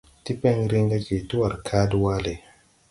Tipen riŋ ga je twar kaa de waale.